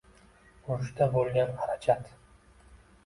Urushda bo‘lgan harajat